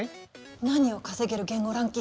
何よ稼げる言語ランキングって。